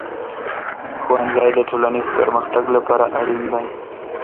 ښوونځی د ټولنیز پرمختګ لپاره اړین دی.